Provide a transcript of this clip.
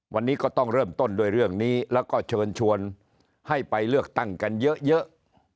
วันนี้ก็ต้องเริ่มต้นด้วยเรื่องนี้แล้วก็เชิญชวนให้ไปเลือกตั้งกันเยอะ